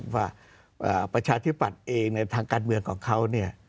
ประชาธิปัตย์เองในทางการเมืองของเขา